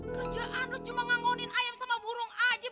kerjaan lu cuma nganggonin ayam sama burung aja